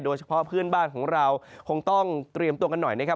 เพื่อนบ้านของเราคงต้องเตรียมตัวกันหน่อยนะครับ